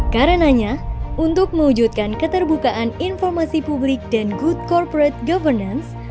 karenanya untuk mewujudkan keterbukaan informasi publik dan good corporate governance